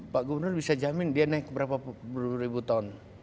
pak gubernur bisa jamin dia naik berapa puluh ribu ton